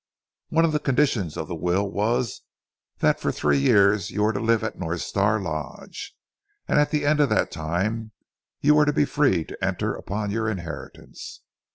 One of the conditions of the will was that for three years you were to live at North Star Lodge, and at the end of that time you were to be free to enter upon your inheritance.